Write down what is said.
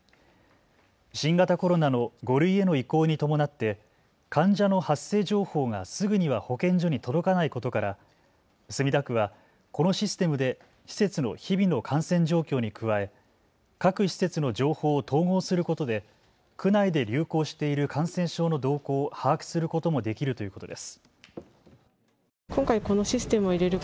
新型コロナの５類への移行に伴って患者の発生情報がすぐには保健所に届かないことから墨田区はこのシステムで施設の日々の感染状況に加え各施設の情報を統合することで区内で流行している感染症の動向を把握することもできるということです。